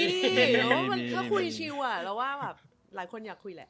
เออถ้าคุยชิวอะเราว่าหลายคนอยากคุยแหละ